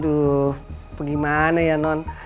aduh gimana ya non